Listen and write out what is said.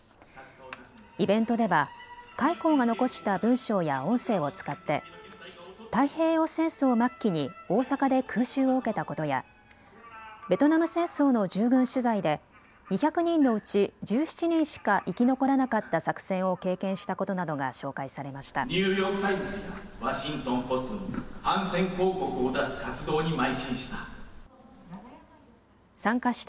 イベントでは開高が残した文章や音声を使って太平洋戦争末期に大阪で空襲を受けたことやベトナム戦争の従軍取材で２００人のうち１７人しか生き残らなかった作戦を経験したことなどが紹介されました。